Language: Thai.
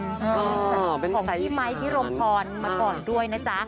ของพี่ไมค์พี่รมพรมาก่อนด้วยนะจ๊ะ